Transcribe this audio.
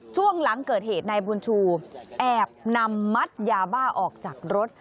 ช่วงหลังเกิดเหตุนายบุญชูแอบนำมัดยาบ้าออกจากรถ